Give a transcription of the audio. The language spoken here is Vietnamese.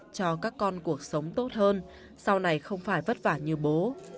cho các con cuộc sống tốt hơn sau này không phải vất vả như bố